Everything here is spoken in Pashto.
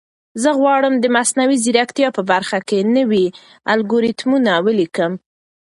زه غواړم د مصنوعي ځیرکتیا په برخه کې نوي الګوریتمونه ولیکم.